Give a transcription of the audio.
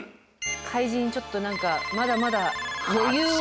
怪人ちょっと何かまだまだ余裕を。